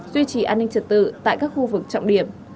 duy trì an ninh trật tự tại các khu vực trọng điểm